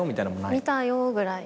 「見たよ」ぐらい。